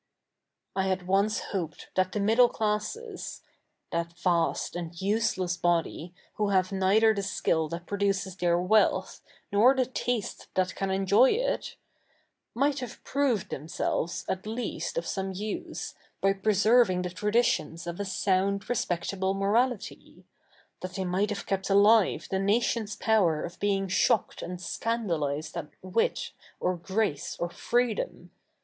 '/ had 07ice hoped that the 77iiddle classes — that vast a7id useless body, who have 7ieither the skill that produces their wealth, 7ior the taste that ca7i e7ifoy it— might have proved themselves at least of some use, by preservi7ig the traditions of a sou7id respectable morality ; that they 7night have kept alive the natio7i's pozver of bei7ig shocked a7id scandalised at ivit, or grace, or freedo7n.